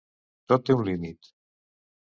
Tot té un límit.